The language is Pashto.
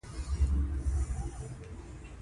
د غوښې پخېدل د اور مناسبې تودوخې ته اړتیا لري.